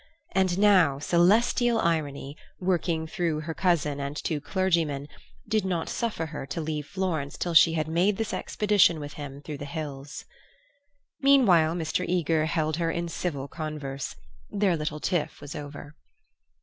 And now celestial irony, working through her cousin and two clergymen, did not suffer her to leave Florence till she had made this expedition with him through the hills. Meanwhile Mr. Eager held her in civil converse; their little tiff was over.